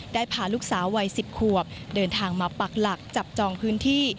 พาลูกสาววัย๑๐ขวบเดินทางมาปักหลักจับจองพื้นที่